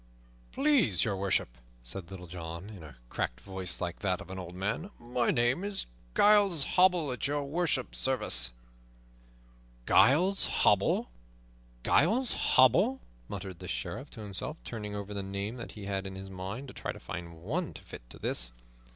"Please Your Worship," said Little John, in a cracked voice like that of an old man, "my name is Giles Hobble, at Your Worship's service." "Giles Hobble, Giles Hobble," muttered the Sheriff to himself, turning over the names that he had in his mind to try to find one to fit to this.